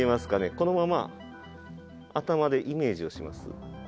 このまま頭でイメージをします。